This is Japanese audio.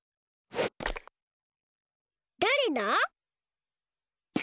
だれだ？